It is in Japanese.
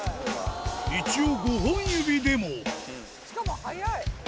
一応５本指でもしかも速い！